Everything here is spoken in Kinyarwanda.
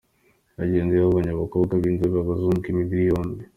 yagenze, yabonye abakobwa b’inzobe, abazungu, imibiri yombi